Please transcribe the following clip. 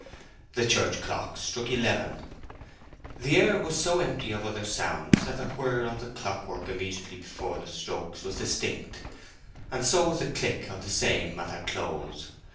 The church clock struck eleven. The air was so empty of other sounds that the whirr of the clock work immediately before the strokes was distinct, and so was also the click of the same at their close.